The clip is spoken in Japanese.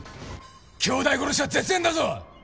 兄弟殺しは絶縁だぞ！